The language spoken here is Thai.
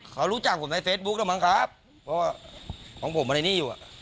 เขารู้จักผมในเฟซบุ๊คแล้วมั้งครับเพราะว่าของผมมันในหนี้อยู่อ่ะ